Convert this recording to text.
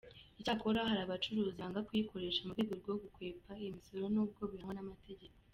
Icyakora hari abacuruzi banga kuyikoresha mu rwego rwo gukwepa imisoro, nubwo bihanwa n’amategeko.